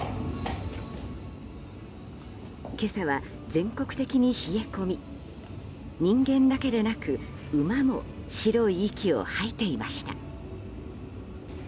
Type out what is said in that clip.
今朝は全国的に冷え込み人間だけでなく馬も白い息を吐いていました。